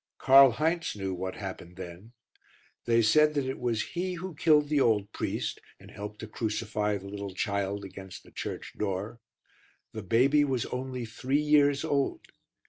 Karl Heinz knew what happened then; they said that it was he who killed the old priest and helped to crucify the little child against the church door. The baby was only three years old.